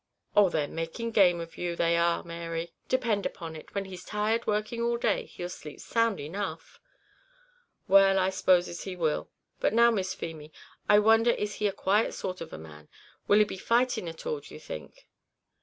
"Oh, they're making game of you they are, Mary; depend upon it, when he's tired working all day, he'll sleep sound enough." "Well, I s'poses he will; but now, Miss Feemy, I wonder is he a quiet sort of man? will he be fighting at all, do you think?"